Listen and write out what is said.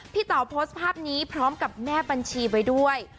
เต๋าโพสต์ภาพนี้พร้อมกับแม่บัญชีไว้ด้วย